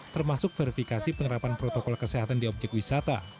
termasuk verifikasi penerapan protokol kesehatan di objek wisata